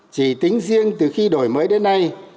chỉ tính riêng từ khi đổi mới đến nay